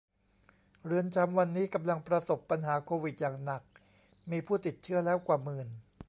เรือนจำวันนี้กำลังประสบปัญหาโควิดอย่างหนัก มีผู้ติดเชื้อแล้วกว่าหมื่น !